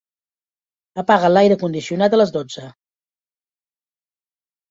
Apaga l'aire condicionat a les dotze.